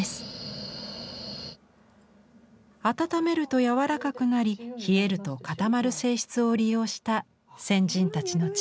温めると柔らかくなり冷えると固まる性質を利用した先人たちの知恵です。